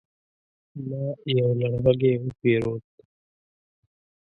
ما يو لرغږی وپيرود